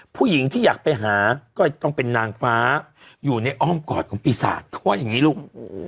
ผู้หญิงที่อยากไปหาก็ต้องเป็นนางฟ้าอยู่ในอ้อมกอดของปีศาจเขาว่าอย่างนี้ลูก